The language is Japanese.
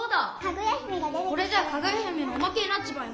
これじゃあ「かぐや姫」のおまけになっちまうよ。